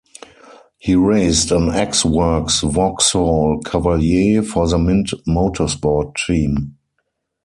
He raced an ex-works Vauxhall Cavalier for the Mint Motorsport team.